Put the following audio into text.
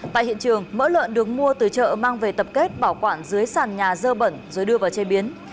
tại hiện trường mỡ lợn được mua từ chợ mang về tập kết bảo quản dưới sàn nhà dơ bẩn rồi đưa vào chế biến